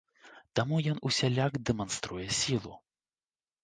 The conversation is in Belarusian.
Таму ён усяляк дэманструе сілу.